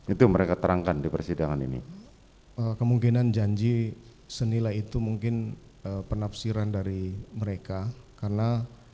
itu mereka terangkan di persidangan ini kemungkinan janji senilai itu mungkin penafsiran dari mereka karena